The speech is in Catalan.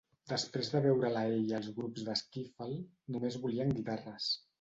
Després de veure'l a ell i als grups de skiffle, només volíem guitarres.